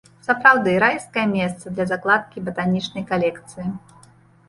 Сапраўды, райскае месца для закладкі батанічнай калекцыі.